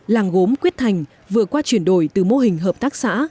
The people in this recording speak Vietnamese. làng gốm quyết thành vừa qua chuyển đổi từ mô hình hợp tác xã